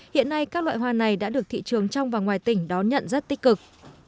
hiện nay các loại hoa này đã được thị trường trong và ngoài tỉnh đón nhận rất tích cực